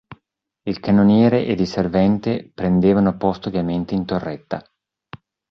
Il cannoniere ed il servente prendevano posto ovviamente in torretta.